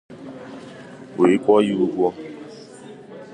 wee kwụọ ya ụgwọ